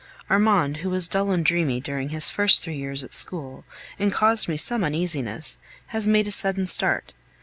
Armand, who was dull and dreamy during his first three years at school, and caused me some uneasiness, has made a sudden start.